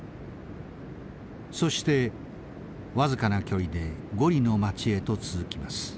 そしてわずかな距離でゴリの町へと続きます。